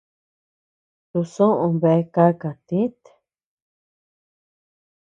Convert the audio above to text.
Tusoʼö bea kaka tït.